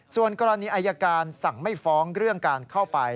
ส่วนกรณีอายการสั่งไม่ฟ้องเรื่องการเข้าไป